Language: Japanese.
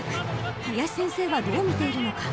［林先生はどう見ているのか？］